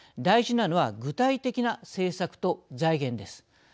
大事なのは具体的な政策と財源です。